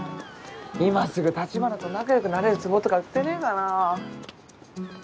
今すぐ橘と仲良くなれる壺とか売ってねえかなぁ。